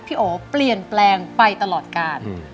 โอเปลี่ยนแปลงไปตลอดกาล